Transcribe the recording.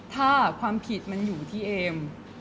ถ้าความผิดมันอยู่ที่เอม